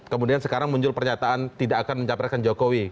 kemudian sekarang muncul pernyataan tidak akan mencapreskan jokowi